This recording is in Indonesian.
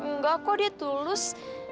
enggak kok dia tulus